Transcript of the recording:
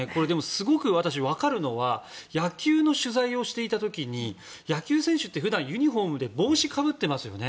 すごく私分かるのは野球の取材をしていた時に野球選手って普段ユニホームで帽子かぶってますよね。